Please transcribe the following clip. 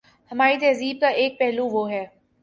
ہماری تہذیب کا ایک پہلو وہ ہے۔